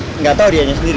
tidak tau dia sendiri